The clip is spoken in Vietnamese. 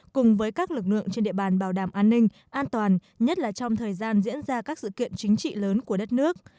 cùng với các lực lượng trên địa bàn bảo đảm an ninh an toàn nhất là trong thời gian diễn ra các sự kiện chính trị lớn của đất nước